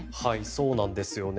そうなんですよね。